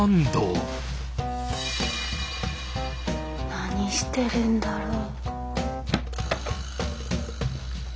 何してるんだろう。